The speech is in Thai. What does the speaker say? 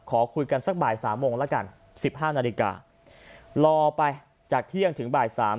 ขอคุยกันสักบ่ายสามโมงแล้วกันสิบห้านาฬิการอไปจากเที่ยงถึงบ่ายสาม